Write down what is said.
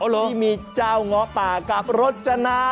ที่มีเจ้าง้อป่ากับรจนา